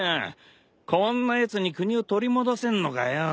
こんなやつに国を取り戻せんのかよ。